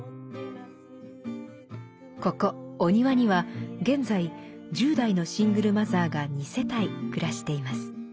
ここおにわには現在１０代のシングルマザーが２世帯暮らしています。